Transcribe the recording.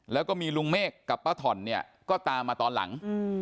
แล้วก็มีลุงเมฆกับป้าถ่อนเนี่ยก็ตามมาตอนหลัง